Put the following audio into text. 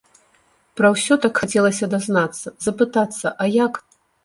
Пра ўсё так хацелася дазнацца, запытацца, а як?!